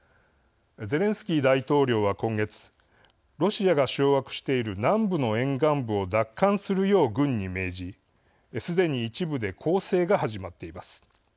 ゼレンスキー大統領は今月ロシアが掌握している南部の沿岸部を奪還するよう軍に命じすでに一部で攻勢が始まっています。